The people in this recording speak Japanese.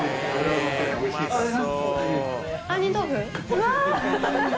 うわ！